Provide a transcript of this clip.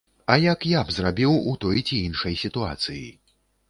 А як я б зрабіў у той ці іншай сітуацыі?